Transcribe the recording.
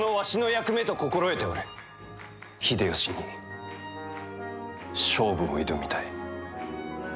秀吉に勝負を挑みたい。